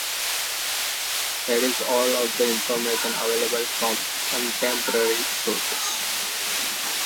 That is all of the information available from contemporary sources.